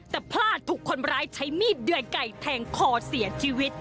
แต่พลาดถูกคนร้ายใช้มีดเดื่อยไก่แทงคอเสียชีวิต